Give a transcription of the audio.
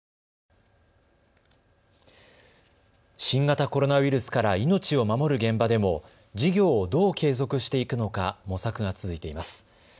新型コロナウイルスから命を守る現場でも事業をどう継続していくのか模索が続いています。